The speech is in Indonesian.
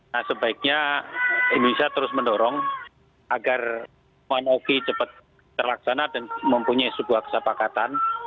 nah sebaiknya indonesia terus mendorong agar one oki cepat terlaksana dan mempunyai sebuah kesepakatan